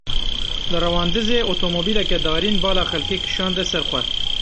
Li Rewandizê otomobîleke darîn bala xelkê kişande ser xwe.